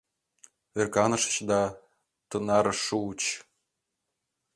Ӧрканышыч да тынарыш шуыч!